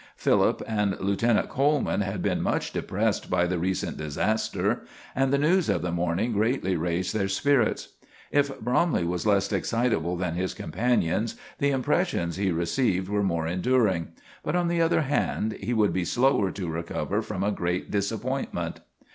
Philip and Lieutenant Coleman had been much depressed by the recent disaster, and the news of the morning greatly raised their spirits. If Bromley was less excitable than his companions, the impressions he received were more enduring; but, on the other hand, he would be slower to recover from a great disappointment.